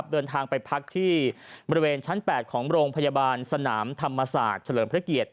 เดินทางไปพักที่บริเวณชั้น๘ของโรงพยาบาลสนามธรรมศาสตร์เฉลิมพระเกียรติ